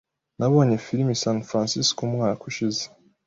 Nabonye film i San Francisco umwaka ushize.